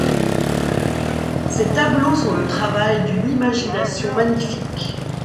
Ses tableaux sont le travail d'une imagination magnifique.